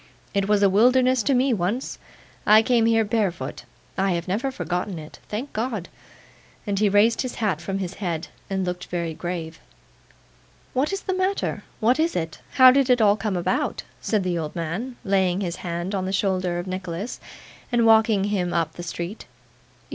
'It was a wilderness to me once. I came here barefoot. I have never forgotten it. Thank God!' and he raised his hat from his head, and looked very grave. 'What's the matter? What is it? How did it all come about?' said the old man, laying his hand on the shoulder of Nicholas, and walking him up the street.